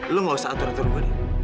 lu nggak usah atur atur gua nih